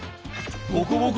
ボコボコ